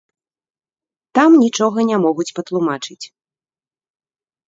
Там нічога не могуць патлумачыць.